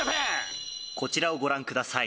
「こちらをご覧ください」